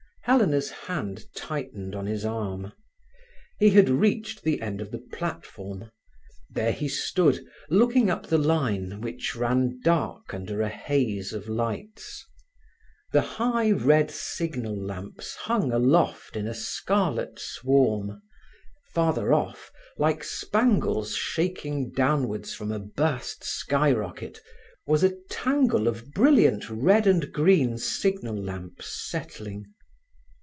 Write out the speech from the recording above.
Helena's hand tightened on his arm. He had reached the end of the platform. There he stood, looking up the line which ran dark under a haze of lights. The high red signal lamps hung aloft in a scarlet swarm; farther off, like spangles shaking downwards from a burst sky rocket, was a tangle of brilliant red and green signal lamps settling.